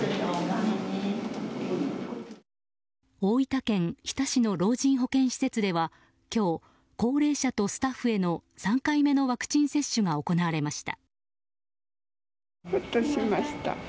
大分県日田市の老人保健施設では今日、高齢者とスタッフへの３回目のワクチン接種が行われました。